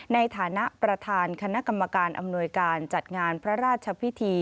ในฐานะประธานคณะกรรมการอำนวยการจัดงานพระราชพิธี